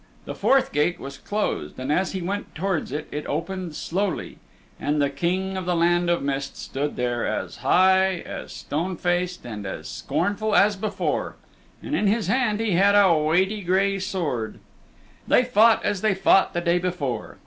The fourth gate was closed, and as he went towards it, it opened slowly, and the King of the Land of Mist stood there as high, as stone faced, and as scornful as before, and in his hand he had a weighty gray sword. They fought as they fought the day before.